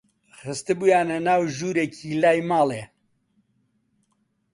خستبوویانە ناو ژوورێکی لای ماڵێ